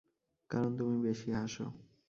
কারণ তুমি বেশি হাসো।